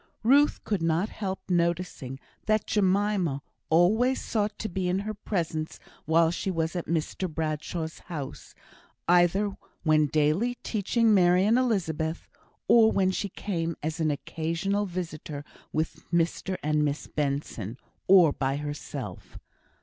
Ruth could not help noticing that Jemima always sought to be in her presence while she was at Mr Bradshaw's house; either when daily teaching Mary and Elizabeth, or when she came as an occasional visitor with Mr and Miss Benson, or by herself.